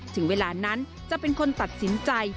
ถึงเวลานั้นจะเป็นคนตัดสินใจ